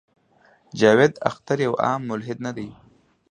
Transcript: جاوېد اختر يو عام ملحد نۀ دے